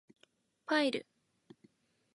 ファイル